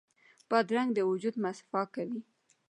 بادرنګ د وجود مصفا کوي.